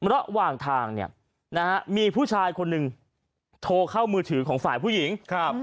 ระหว่างทางเนี่ยนะฮะมีผู้ชายคนหนึ่งโทรเข้ามือถือของฝ่ายผู้หญิง